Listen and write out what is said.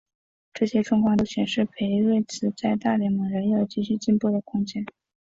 这些状况都显示裴瑞兹在大联盟仍有继续进步的空间。